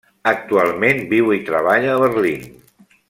Actualment, viu i treballa a Berlín.